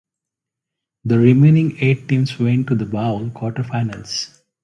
The remaining eight teams went on to the Bowl quarter finals.